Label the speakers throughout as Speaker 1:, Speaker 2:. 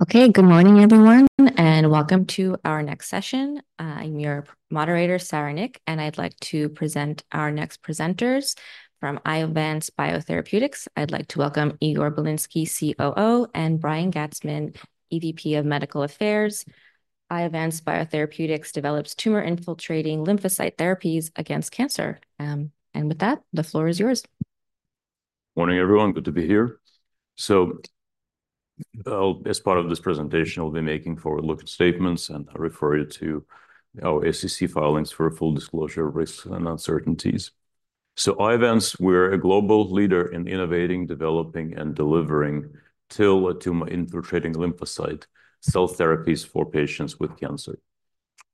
Speaker 1: Okay, good morning, everyone, and welcome to our next session. I'm your moderator, Sarah Nik, and I'd like to present our next presenters from Iovance Biotherapeutics. I'd like to welcome Igor Bilinsky, COO, and Brian Gastman, EVP of Medical Affairs. Iovance Biotherapeutics develops tumor-infiltrating lymphocyte therapies against cancer, and with that, the floor is yours.
Speaker 2: Morning, everyone. Good to be here. So, as part of this presentation, we'll be making forward-looking statements, and I refer you to our SEC filings for a full disclosure of risks and uncertainties. So Iovance, we're a global leader in innovating, developing, and delivering TIL, a tumor-infiltrating lymphocyte, cell therapies for patients with cancer.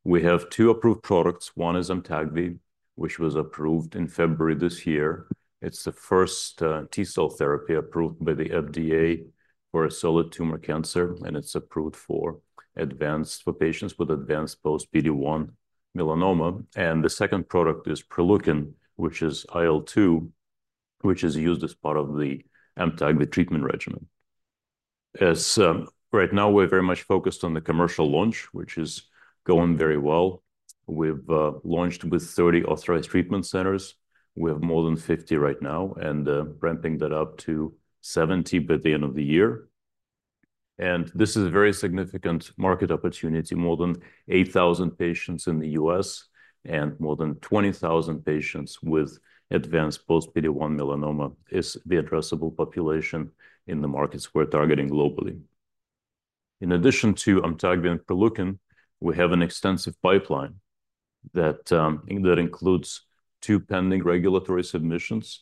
Speaker 2: We have two approved products. One is Amtagvi, which was approved in February this year. It's the first T-cell therapy approved by the FDA for a solid tumor cancer, and it's approved for patients with advanced post-PD-1 melanoma, and the second product is Proleukin, which is IL-2, which is used as part of the Amtagvi treatment regimen. Right now, we're very much focused on the commercial launch, which is going very well. We've launched with 30 authorized treatment centers. We have more than 50 right now, and ramping that up to 70 by the end of the year, and this is a very significant market opportunity. More than 8,000 patients in the U.S. and more than 20,000 patients with advanced post-PD-1 melanoma is the addressable population in the markets we're targeting globally. In addition to Amtagvi and Proleukin, we have an extensive pipeline that includes two pending regulatory submissions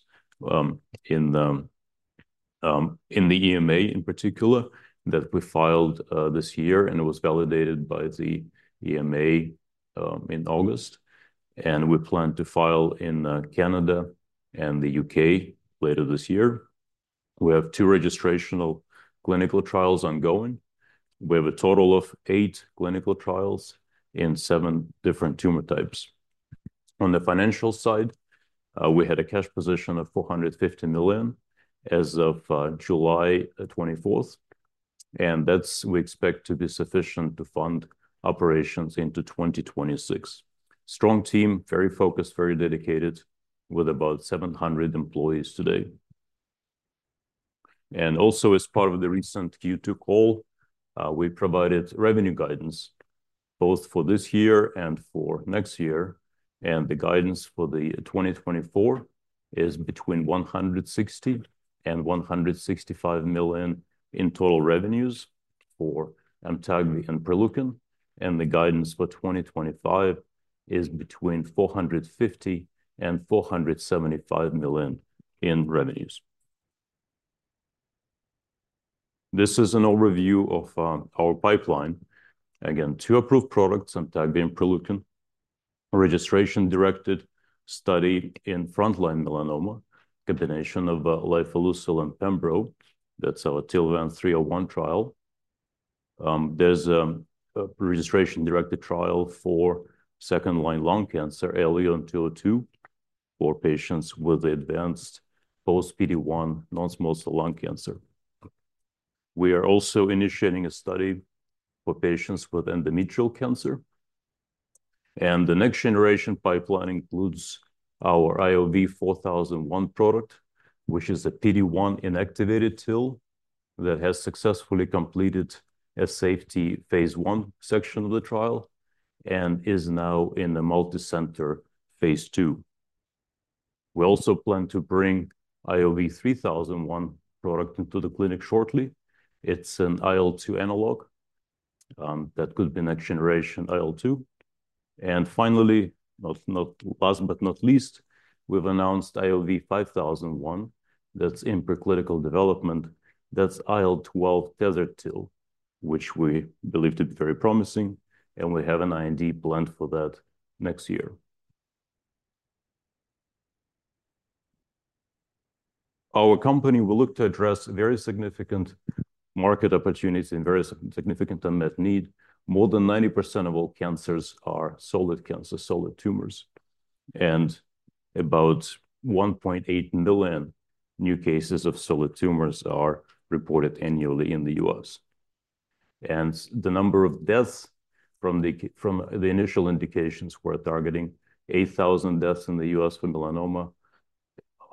Speaker 2: in the EMA in particular, that we filed this year, and it was validated by the EMA in August, and we plan to file in Canada and the U.K. later this year. We have two registrational clinical trials ongoing. We have a total of eight clinical trials in seven different tumor types. On the financial side, we had a cash position of $450 million as of July 24th, and that's, we expect, sufficient to fund operations into 2026. Strong team, very focused, very dedicated, with about 700 employees today, and also, as part of the recent Q2 call, we provided revenue guidance both for this year and for next year, and the guidance for 2024 is between $160 million and $165 million in total revenues for Amtagvi and Proleukin, and the guidance for 2025 is between $450 million and $475 million in revenues. This is an overview of our pipeline. Again, two approved products, Amtagvi and Proleukin. A registration-directed study in frontline melanoma, combination of lifileucel and pembro. That's our TILVANCE-301 trial. There's a registrational trial for second-line lung cancer, IOV-LUN-202, for patients with advanced post-PD-1 non-small cell lung cancer. We are also initiating a study for patients with endometrial cancer, and the next-generation pipeline includes our IOV-4001 product, which is a PD-1 inactivated TIL, that has successfully completed a safety phase I section of the trial and is now in the multicenter phase II. We also plan to bring IOV-3001 product into the clinic shortly. It's an IL-2 analog, that could be next generation IL-2. And finally, not last but not least, we've announced IOV-5001. That's in pre-clinical IL-12 tethered TIL, which we believe to be very promising, and we have an IND planned for that next year. Our company will look to address very significant market opportunities and very significant unmet need. More than 90% of all cancers are solid cancers, solid tumors, and about 1.8 million new cases of solid tumors are reported annually in the U.S.. The number of deaths from the initial indications we're targeting, 8,000 deaths in the U.S. from melanoma,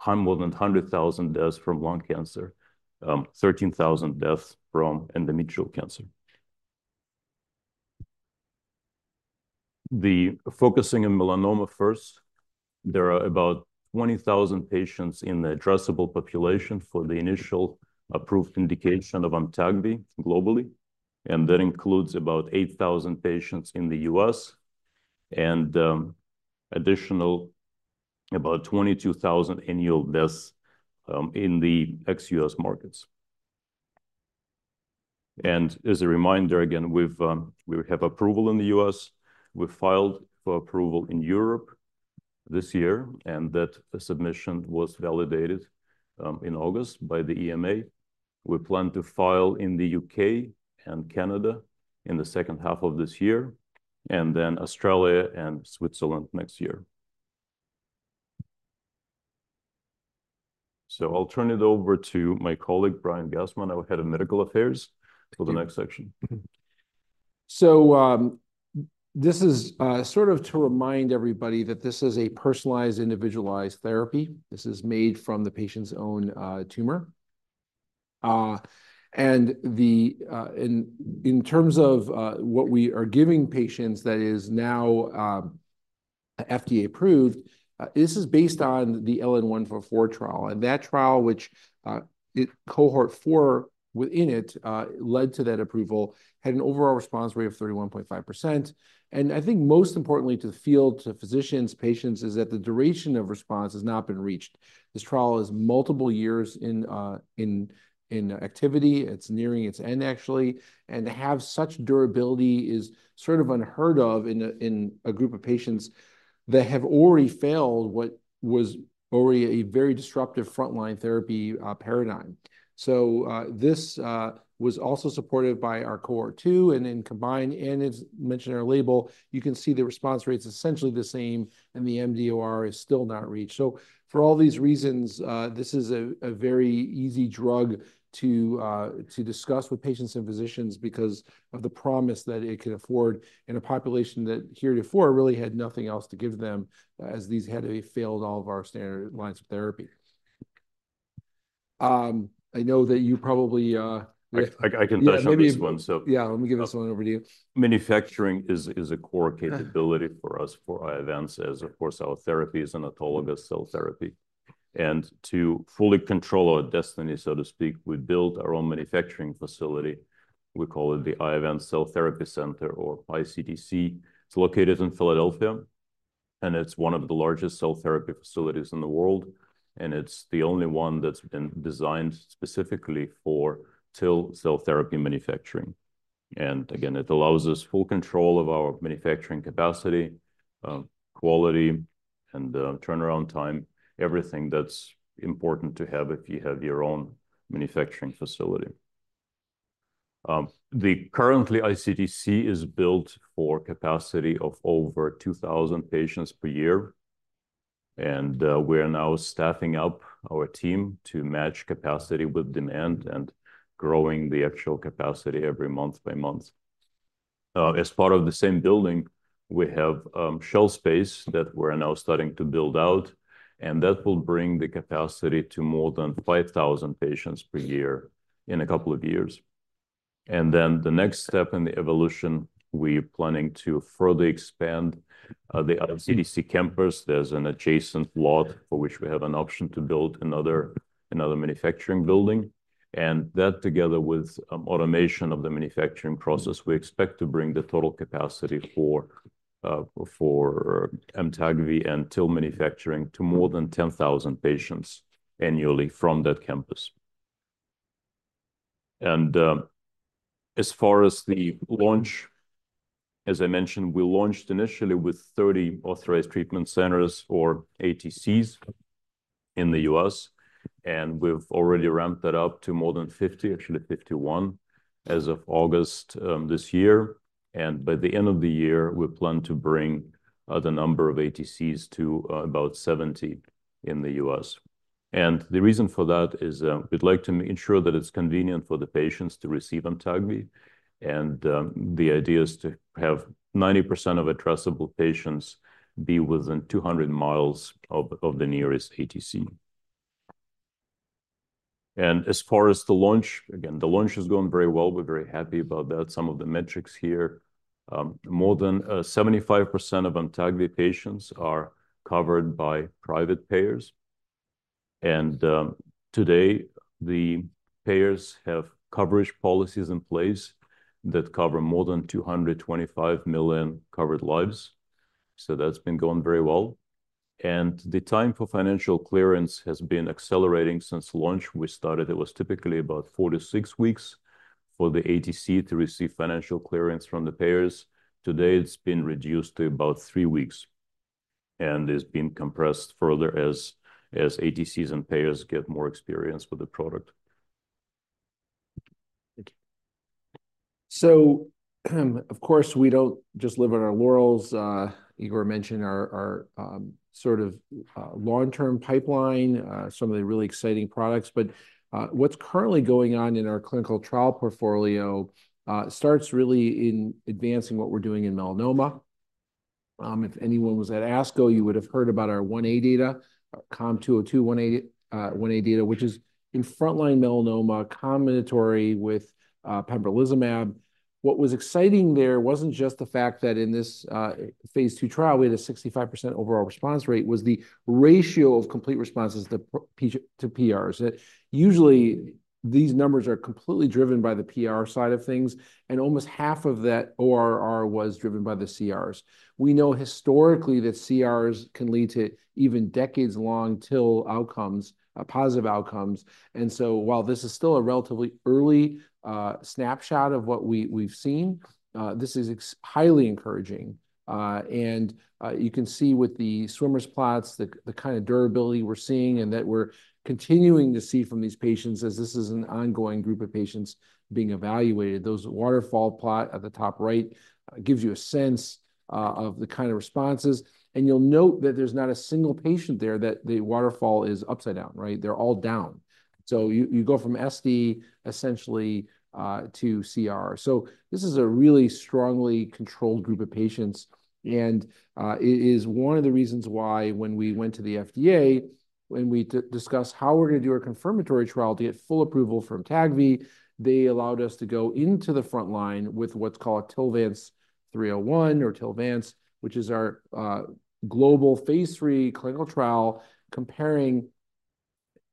Speaker 2: more than 100,000 deaths from lung cancer, 13,000 deaths from endometrial cancer. Focusing on melanoma first, there are about 20,000 patients in the addressable population for the initial approved indication of Amtagvi globally, and that includes about 8,000 patients in the U.S. and additional about 22,000 annual deaths in the ex-U.S. markets. As a reminder, we have approval in the U.S. We filed for approval in Europe this year, and that submission was validated in August by the EMA. We plan to file in the UK and Canada in the second half of this year, and then Australia and Switzerland next year. So I'll turn it over to my colleague, Brian Gastman, our Head of Medical Affairs, for the next section.
Speaker 3: Mm-hmm. So, this is sort of to remind everybody that this is a personalized, individualized therapy. This is made from the patient's own tumor. And in terms of what we are giving patients that is now FDA approved, this is based on the LN-144 trial. And that trial, which Cohort 4 within it led to that approval, had an overall response rate of 31.5%. And I think most importantly to the field, to physicians, patients, is that the duration of response has not been reached. This trial is multiple years in activity. It's nearing its end, actually. And to have such durability is sort of unheard of in a group of patients that have already failed what was already a very disruptive frontline therapy paradigm. So, this was also supported by our Cohort 2, and then combined, and as mentioned in our label, you can see the response rate's essentially the same, and the mDOR is still not reached. So for all these reasons, this is a very easy drug to discuss with patients and physicians because of the promise that it can afford in a population that heretofore really had nothing else to give them, as these had already failed all of our standard lines of therapy. I know that you probably,
Speaker 2: I can touch on this one, so-
Speaker 3: Yeah, let me give this one over to you.
Speaker 2: Manufacturing is a core capability for us, for Iovance, as, of course, our therapy is an autologous cell therapy. To fully control our destiny, so to speak, we built our own manufacturing facility. We call it the Iovance Cell Therapy Center or ICTC. It's located in Philadelphia, and it's one of the largest cell therapy facilities in the world, and it's the only one that's been designed specifically for TIL cell therapy manufacturing. And again, it allows us full control of our manufacturing capacity, quality, and turnaround time, everything that's important to have if you have your own manufacturing facility. Currently, ICTC is built for capacity of over 2,000 patients per year, and we're now staffing up our team to match capacity with demand and growing the actual capacity every month by month. As part of the same building, we have shell space that we're now starting to build out, and that will bring the capacity to more than 5,000 patients per year in a couple of years. And then the next step in the evolution, we're planning to further expand the ICTC campus. There's an adjacent lot for which we have an option to build another manufacturing building. And that, together with automation of the manufacturing process, we expect to bring the total capacity for Amtagvi and TIL manufacturing to more than 10,000 patients annually from that campus. And as far as the launch, as I mentioned, we launched initially with 30 authorized treatment centers, or ATCs, in the U.S., and we've already ramped that up to more than 50, actually 51, as of August this year. By the end of the year, we plan to bring the number of ATCs to about 70 in the U.S. The reason for that is we'd like to ensure that it's convenient for the patients to receive Amtagvi, and the idea is to have 90% of addressable patients be within 200 miles of the nearest ATC. As far as the launch, again, the launch is going very well. We're very happy about that. Some of the metrics here, more than 75% of Amtagvi patients are covered by private payers. Today, the payers have coverage policies in place that cover more than 225 million covered lives, so that's been going very well. The time for financial clearance has been accelerating since launch. We started, it was typically about four to six weeks for the ATC to receive financial clearance from the payers. Today, it's been reduced to about three weeks, and it's been compressed further as ATCs and payers get more experience with the product.
Speaker 3: Of course, we don't just live on our laurels. Igor mentioned our, our, sort of, long-term pipeline, some of the really exciting products. But what's currently going on in our clinical trial portfolio starts really in advancing what we're doing in melanoma. If anyone was at ASCO, you would have heard about our 1A data, our COM-202-1A, 1A data, which is in frontline melanoma combination with pembrolizumab. What was exciting there wasn't just the fact that in this phase II trial, we had a 65% overall response rate, was the ratio of complete responses to PRs. Usually, these numbers are completely driven by the PR side of things, and almost half of that ORR was driven by the CRs. We know historically that CRs can lead to even decades-long TIL outcomes, positive outcomes. And so while this is still a relatively early snapshot of what we've seen, this is highly encouraging. And you can see with the swimmer's plots, the kind of durability we're seeing and that we're continuing to see from these patients, as this is an ongoing group of patients being evaluated. Those waterfall plot at the top right gives you a sense of the kind of responses, and you'll note that there's not a single patient there that the waterfall is upside down, right? They're all down. So you go from SD, essentially, to CR. So this is a really strongly controlled group of patients, and it is one of the reasons why when we went to the FDA, when we discussed how we're going to do our confirmatory trial to get full approval of Amtagvi, they allowed us to go into the front line with what's called TILVANCE-301, or TILVANCE, which is our global phase III clinical trial, comparing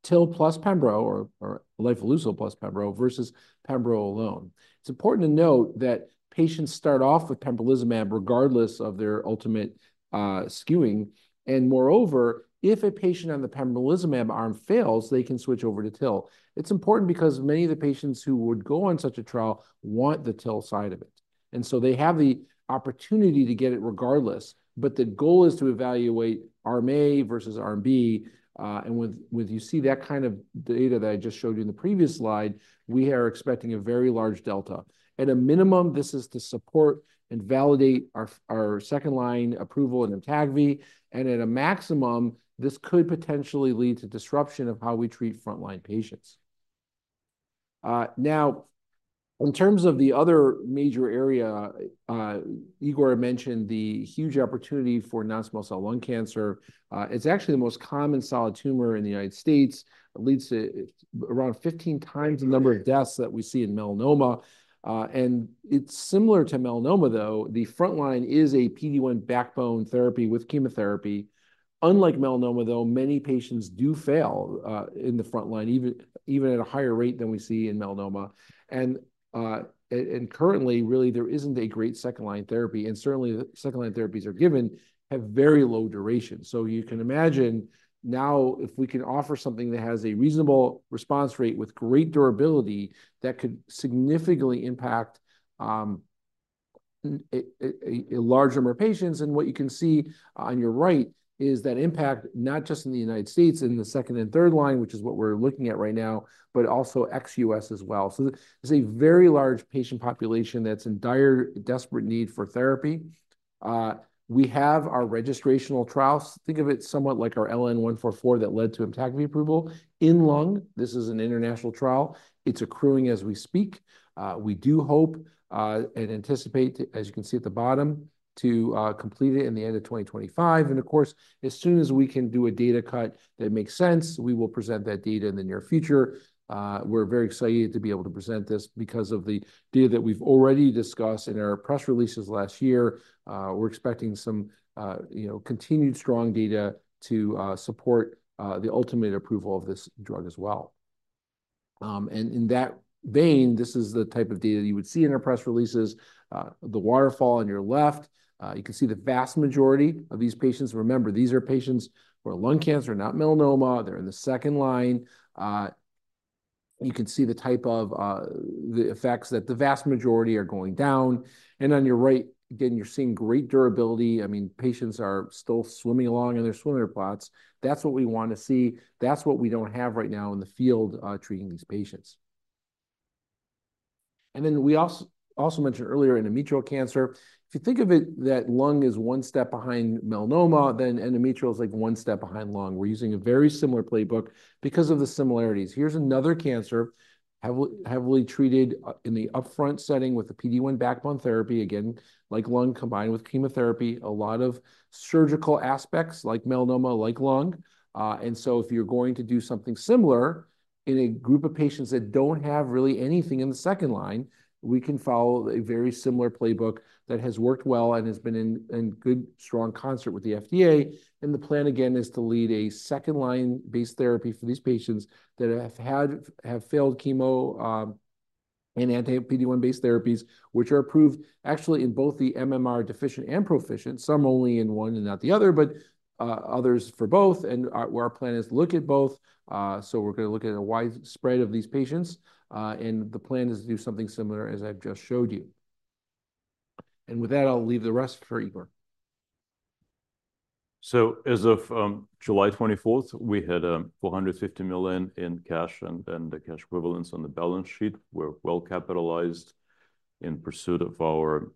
Speaker 3: TIL plus pembro or lifileucel plus pembro versus pembro alone. It's important to note that patients start off with pembrolizumab regardless of their ultimate assignment, and moreover, if a patient on the pembrolizumab arm fails, they can switch over to TIL. It's important because many of the patients who would go on such a trial want the TIL side of it, and so they have the opportunity to get it regardless. But the goal is to evaluate arm A versus arm B, and with—you see that kind of data that I just showed you in the previous slide, we are expecting a very large delta. At a minimum, this is to support and validate our second-line approval in Amtagvi, and at a maximum, this could potentially lead to disruption of how we treat frontline patients. Now, in terms of the other major area, Igor mentioned the huge opportunity for non-small cell lung cancer. It's actually the most common solid tumor in the United States. It leads to around 15 times-... the number of deaths that we see in melanoma, and it's similar to melanoma, though the frontline is a PD-1 backbone therapy with chemotherapy. Unlike melanoma, though, many patients do fail in the frontline, even at a higher rate than we see in melanoma, and currently, really, there isn't a great second-line therapy, and certainly, the second-line therapies are given, have very low duration, so you can imagine now, if we can offer something that has a reasonable response rate with great durability, that could significantly impact a larger number of patients, and what you can see on your right is that impact, not just in the United States, in the second- and third-line, which is what we're looking at right now, but also ex-U.S. as well. So there's a very large patient population that's in dire, desperate need for therapy. We have our registrational trials. Think of it somewhat like our LN-144 that led to Amtagvi approval. In lung, this is an international trial. It's accruing as we speak. We do hope and anticipate, as you can see at the bottom, to complete it in the end of twenty twenty-five. And of course, as soon as we can do a data cut that makes sense, we will present that data in the near future. We're very excited to be able to present this because of the data that we've already discussed in our press releases last year. We're expecting some, you know, continued strong data to support the ultimate approval of this drug as well. And in that vein, this is the type of data you would see in our press releases. The waterfall on your left, you can see the vast majority of these patients. Remember, these are patients who are lung cancer, not melanoma. They're in the second line. You can see the type of, the effects, that the vast majority are going down, and on your right, again, you're seeing great durability. I mean, patients are still swimming along in their swimmer plots. That's what we wanna see. That's what we don't have right now in the field, treating these patients. And then we also mentioned earlier, endometrial cancer. If you think of it, that lung is one step behind melanoma, then endometrial is, like, one step behind lung. We're using a very similar playbook because of the similarities. Here's another cancer, heavily treated in the upfront setting with the PD-1 backbone therapy. Again, like lung, combined with chemotherapy, a lot of surgical aspects, like melanoma, like lung, and so if you're going to do something similar in a group of patients that don't have really anything in the second line, we can follow a very similar playbook that has worked well and has been in good, strong concert with the FDA, and the plan, again, is to lead a second-line-based therapy for these patients that have failed chemo and anti-PD-1 based therapies, which are approved actually in both the MMR deficient and proficient. Some only in one and not the other, but others for both, and well, our plan is to look at both. So we're gonna look at a wide spread of these patients, and the plan is to do something similar, as I've just showed you. And with that, I'll leave the rest for Igor.
Speaker 2: As of July twenty-fourth, we had $450 million in cash and cash equivalents on the balance sheet. We're well-capitalized in pursuit of our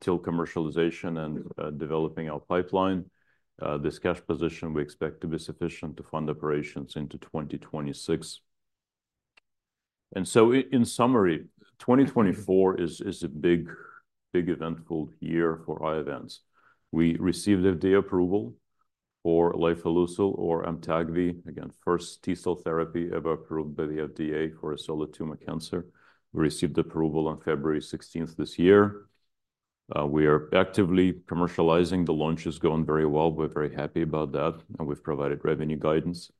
Speaker 2: TIL commercialization and developing our pipeline. This cash position we expect to be sufficient to fund operations into 2026. In summary, 2024 is a big eventful year for Iovance. We received FDA approval for lifileucel or Amtagvi. Again, first T cell therapy ever approved by the FDA for a solid tumor cancer. We received approval on February sixteenth this year. We are actively commercializing. The launch is going very well. We're very happy about that, and we've provided revenue guidance.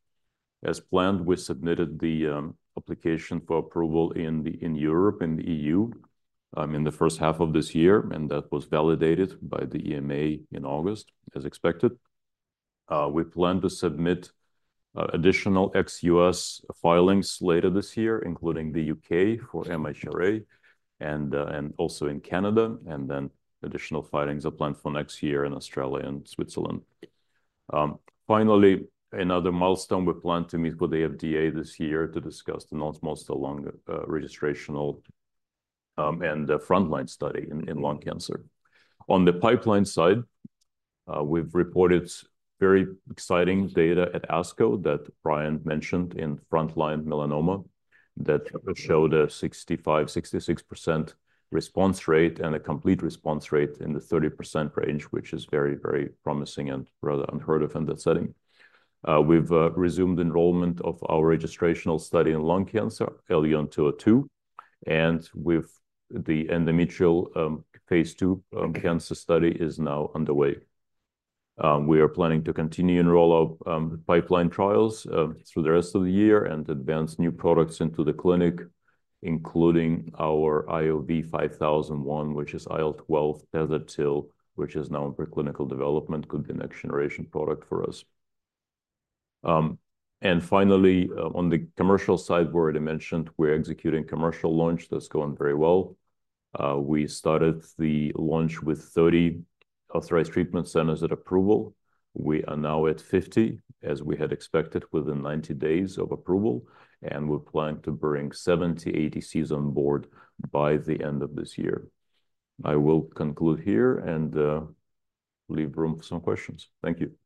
Speaker 2: As planned, we submitted the application for approval in Europe, in the E.U., in the first half of this year, and that was validated by the EMA in August, as expected. We plan to submit additional ex-U.S. filings later this year, including the U.K. for MHRA, and also in Canada, and then additional filings are planned for next year in Australia and Switzerland. Finally, another milestone, we plan to meet with the FDA this year to discuss the non-small cell lung registrational and the frontline study in lung cancer. On the pipeline side, we've reported very exciting data at ASCO that Brian mentioned in frontline melanoma, that showed a 65-66% response rate and a complete response rate in the 30% range, which is very, very promising and rather unheard of in that setting. We've resumed enrollment of our registrational study in lung cancer, IOV-LUN-202, and with the endometrial phase II cancer study is now underway. We are planning to continue enroll our pipeline trials through the rest of the year and advance new products into the clinic, including our IOV-5001, IL-12 tethered TIL, which is now in preclinical development, could be next-generation product for us. And finally, on the commercial side, we already mentioned, we're executing commercial launch. That's going very well. We started the launch with 30 authorized treatment centers at approval. We are now at 50, as we had expected, within 90 days of approval, and we plan to bring 70 ATCs on board by the end of this year. I will conclude here and leave room for some questions. Thank you.